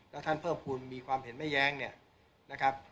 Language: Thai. แล้วท่านเพิ่มภูมิมีความเห็นไม่แย้งเนี่ยนะครับ